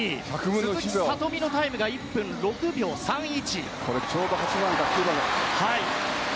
鈴木聡美のタイムが１分６秒３１。